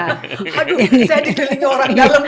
aduh saya dikelilingi orang dalem semua